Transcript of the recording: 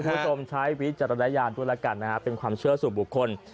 คุณผู้ชมใช้วิจารณญาณตัวละกันนะครับเป็นความเชื่อสู่บุคคล